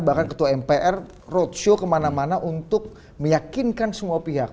bahkan ketua mpr roadshow kemana mana untuk meyakinkan semua pihak